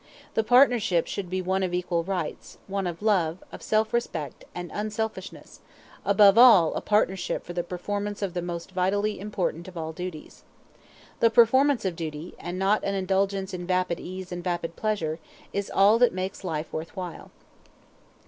The partnership should be one of equal rights, one of love, of self respect, and unselfishness, above all a partnership for the performance of the most vitally important of all duties. The performance of duty, and not an indulgence in vapid ease and vapid pleasure, is all that makes life worth while.